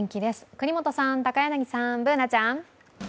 國本さん、高柳さん、Ｂｏｏｎａちゃん。